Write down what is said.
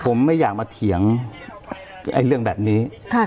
ผมไม่อยากมาเถียงเรื่องแบบนี้